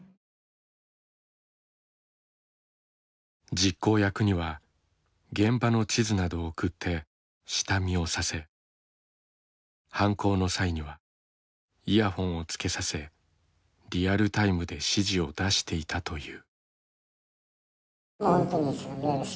実行役には現場の地図などを送って下見をさせ犯行の際にはイヤホンをつけさせリアルタイムで指示を出していたという。